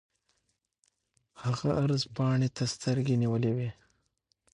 هغه عرض پاڼې ته سترګې نیولې وې.